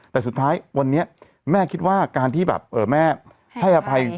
แต่สุดท้ายวันนี้แม่คิดว่าการที่แบบแม่ให้อภัย